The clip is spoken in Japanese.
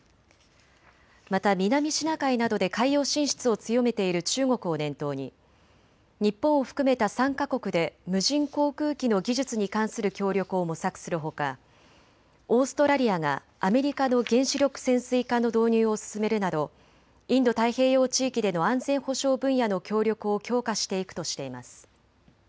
また南シナ海などで海洋進出を強めている中国を念頭に日本を含めた３か国で無人航空機の技術に関する協力を模索するほかオーストラリアがアメリカの原子力潜水艦の導入を進めるなどインド太平洋地域での安全保障分野の協力を強化していくとしています。